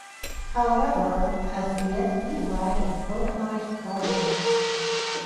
However, as yet we lack an organized gardener.